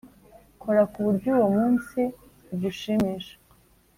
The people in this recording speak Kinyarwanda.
kora ku buryo uwo munsi ugushimisha